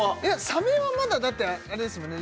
サメはまだだってあれですもんね